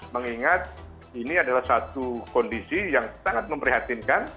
mengingat ini adalah satu kondisi yang sangat memprihatinkan